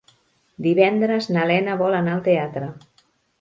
Divendres na Lena vol anar al teatre.